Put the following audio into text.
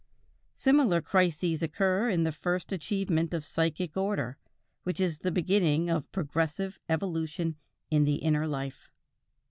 Similar crises occur in the first achievement of psychic order, which is the beginning of progressive evolution in the inner life.